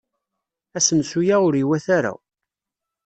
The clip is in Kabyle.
Asensu-a ur iwata ara.